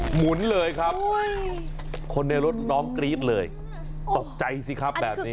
หมุนเลยครับคนในรถน้องกรี๊ดเลยตกใจสิครับแบบนี้